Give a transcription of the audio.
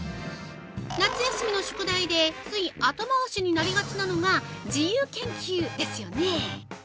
夏休みの宿題でつい後回しになりがちなのが自由研究ですよね？